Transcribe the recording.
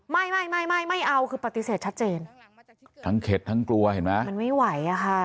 ไม่ไม่ไม่เอาคือปฏิเสธชัดเจนทั้งเข็ดทั้งกลัวเห็นไหมมันไม่ไหวอะค่ะ